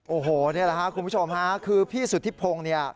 โอ้โหนี่แหละครับคุณผู้ชมฮะคือพี่สุธิพงศ์เนี่ย